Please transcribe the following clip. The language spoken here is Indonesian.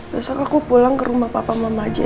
besok aku pulang ke rumah papa mama aja